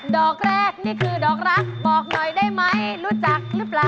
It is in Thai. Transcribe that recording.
ดอกแรกนี่คือดอกรักบอกหน่อยได้ไหมรู้จักหรือเปล่า